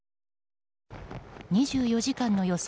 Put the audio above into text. ２４時間の予想